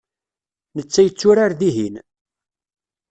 Netta yetturar dihin.